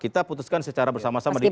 kita putuskan secara bersama sama di pan